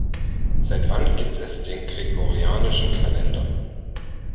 Seit wann gibt es den gregorianischen Kalender?